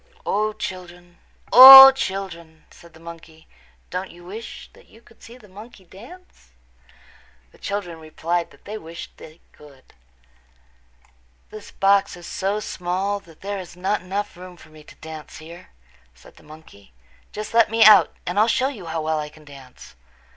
"O, children, O, children," said the monkey, "don't you wish that you could see the monkey dance?" The children replied that they wished they could. "This box is so small that there is not room enough for me to dance here," said the monkey. "Just let me out and I'll show you how well I can dance."